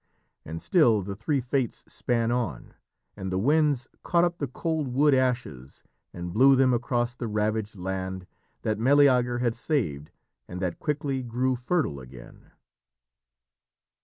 And still the Three Fates span on, and the winds caught up the cold wood ashes and blew them across the ravaged land that Meleager had saved and that quickly grew fertile again.